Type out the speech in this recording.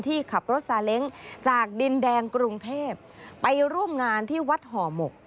ที่ขับรถซาเล้งจากดินแดงกรุงเทพไปร่วมงานที่วัดห่อหมก